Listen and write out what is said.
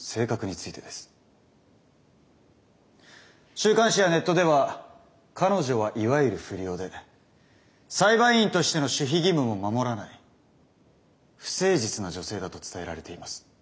週刊誌やネットでは彼女はいわゆる不良で裁判員としての守秘義務も守らない不誠実な女性だと伝えられています。